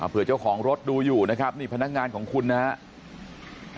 อ้าวเผื่อเจ้าของรถดูอยู่นะครับนี่พนักงานของคุณนะฮะ